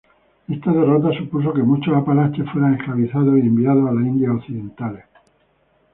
Esta derrota supuso que muchos apalaches fueran esclavizados y enviados a las Indias Occidentales.